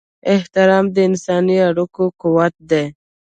احترام د انساني اړیکو قوت دی.